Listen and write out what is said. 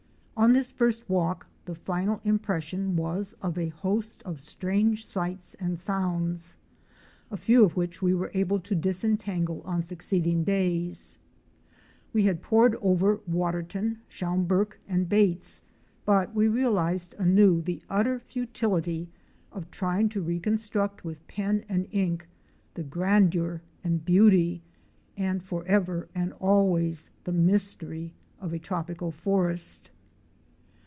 On this first walk the final impression was of a host of Strange sights and sounds, a few of which we were able to disentangle on succeeding days. We had poured over Waterton, Schomburgk and Bates but we realized anew the utter futility of trying to reconstruct with pen and ink the grandeur and beauty, and forever and always the mystery, of a tropical forest.